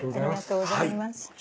ありがとうございます。